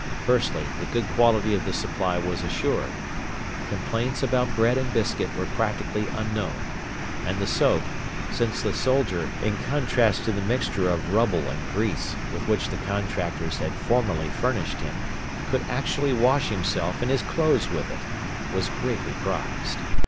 Firstly, the good quality of the supply was assured. Complaints about bread and biscuit were practically unknown, and the soap since the soldier, in contrast to the mixture of rubble and grease with which the contractors had formerly furnished him, could actually wash himself and his clothes with it was greatly prized.